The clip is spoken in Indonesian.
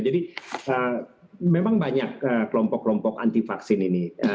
memang banyak kelompok kelompok anti vaksin ini